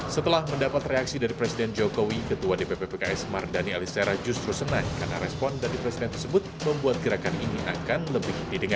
setelah mendapat reaksi dari presiden jokowi ketua dpp pks mardani alisera justru senang karena respon dari presiden tersebut membuat gerakan ini akan lebih didengar